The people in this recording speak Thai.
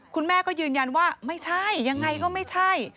คุณแม่ก็ยืนยันว่าไม่ใช่ยังไงก็ไม่ใช่